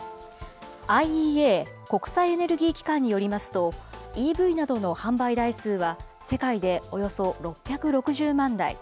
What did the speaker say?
ＩＥＡ・国際エネルギー機関によりますと、ＥＶなどの販売台数は、世界でおよそ６６０万台。